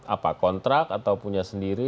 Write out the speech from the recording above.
apa kontrak atau punya sendiri